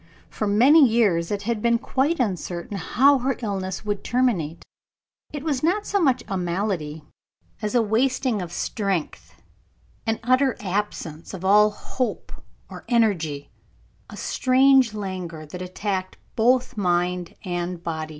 For many years it had been quite uncertain how her illness would terminate. It was not so much a malady as a wasting of strength, an utter absence of all hope or energy, a strange languor that attacked both body and mind.